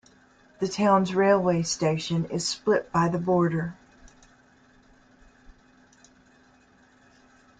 The town's railway station is split by the border.